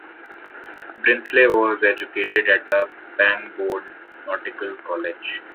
Brinsley was educated at the Pangbourne Nautical College.